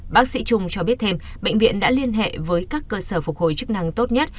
bác sĩ trung cho biết thêm bệnh viện đã liên hệ với các cơ sở phục hồi chức năng tốt nhất